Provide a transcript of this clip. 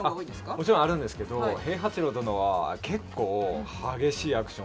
もちろんあるんですけど平八郎殿は結構激しいアクション